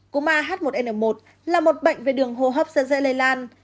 cúm ah một n một là một bệnh về đường hồ hấp rất dễ lây lan